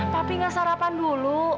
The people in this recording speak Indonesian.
papi nge sarapan dulu